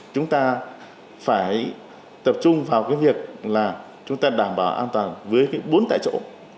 chúng ta phải tập trung vào việc đảm bảo an toàn với bốn tại chỗ